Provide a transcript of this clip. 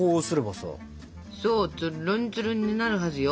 そうツルンツルンになるはずよ